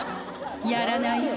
やらない？